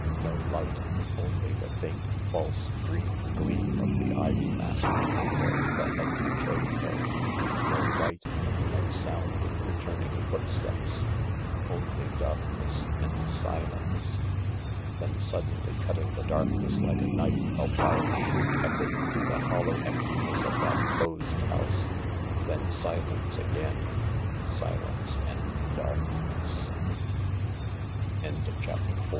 No light— only the faint, false, green gleam of the ivy masked window that had betrayed her No light— no sound of returning footsteps. Only darkness and silence. Then suddenly, cutting the darkness like a knife a wild shriek echoed through the hollow emptiness of that closed